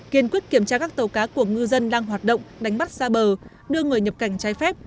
kiên quyết kiểm tra các tàu cá của ngư dân đang hoạt động đánh bắt xa bờ đưa người nhập cảnh trái phép